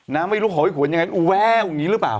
ไม่รู้หอยขวนยังไงแววอย่างนี้หรือเปล่า